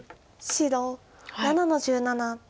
白７の十七。